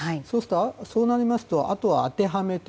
そうなりますとあとは当てはめて